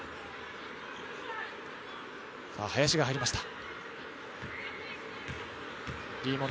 林が入りました。